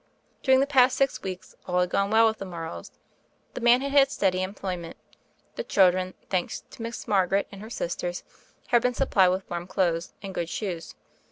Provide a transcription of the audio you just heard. During the past six weeks all had gone well with the Morrows. The man had had steady employment, the children, thanks to Miss Margaret and her sisters, had been supplied with warm clothes and good shoes.